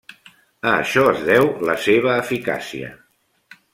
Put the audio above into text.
A això es deu la seva eficàcia.